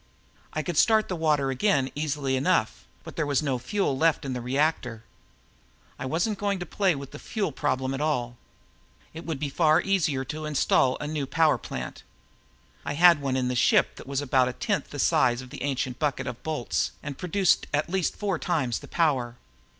I could start the water again easily enough, but there was no fuel left in the reactor. I wasn't going to play with the fuel problem at all. It would be far easier to install a new power plant. I had one in the ship that was about a tenth the size of the ancient bucket of bolts and produced at least four times the power.